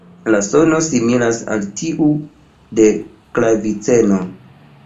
La sono similas al tiu de klaviceno.